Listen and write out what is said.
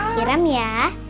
masuk aku siram ya